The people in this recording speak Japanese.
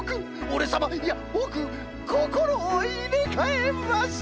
オレさまいやぼくこころをいれかえます！